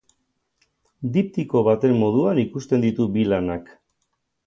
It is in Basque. Diptiko baten moduan ikusten ditut bi lanak.